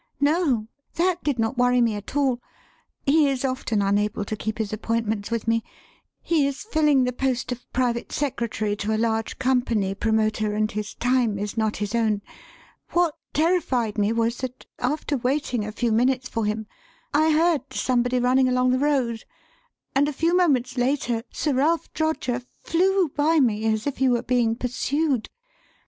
"No. That did not worry me at all. He is often unable to keep his appointments with me. He is filling the post of private secretary to a large company promoter, and his time is not his own. What terrified me was that, after waiting a few minutes for him, I heard somebody running along the road, and a few moments later Sir Ralph Droger flew by me as if he were being pursued.